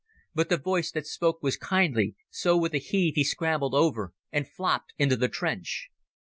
But the voice that spoke was kindly, so with a heave he scrambled over and flopped into the trench.